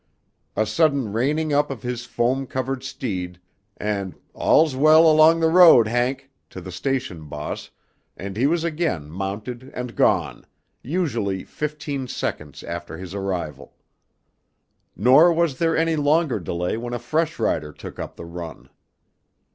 A sudden reining up of his foam covered steed, and "All's well along the road, Hank!" to the station boss, and he was again mounted and gone, usually fifteen seconds after his arrival. Nor was there any longer delay when a fresh rider took up the "run."